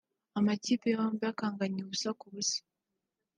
amakipe yombi akanganya ubusa ku busa